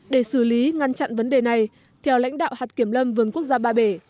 để xử lý ngăn chặn vấn đề này theo lãnh đạo hạt kiểm lâm vườn quốc gia ba bể